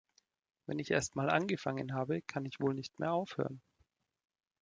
Wenn ich erstmal angefangen habe, kann ich wohl nicht mehr aufhören.